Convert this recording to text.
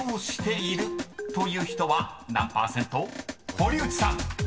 ［堀内さん］